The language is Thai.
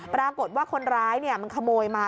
ปรากฏว่าคนร้ายมันขโมยมา